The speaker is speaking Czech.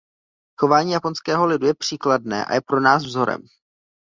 Chování japonského lidu je příkladné a je pro nás vzorem.